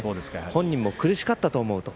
本人も苦しかったと思うと。